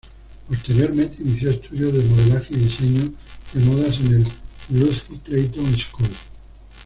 Posteriormente inicio estudios de modelaje y diseño de modas en el Lucy Clayton School.